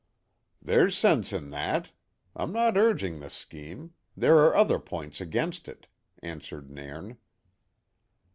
"There's sense in that. I'm no urging the scheme there are other points against it," answered Nairn.